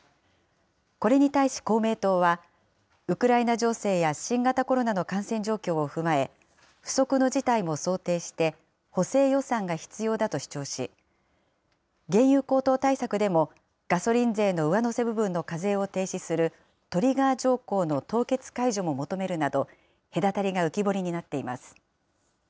これに対し公明党は、ウクライナ情勢や新型コロナの感染状況を踏まえ、不測の事態も想定して補正予算が必要だと主張し、原油高騰対策でも、ガソリン税の上乗せ部分の課税を停止するトリガー条項の凍結解除も求めるなど、隔たりが浮き彫りになっています。